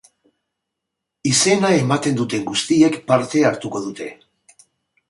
Izena ematen duten guztiek hartuko dute parte.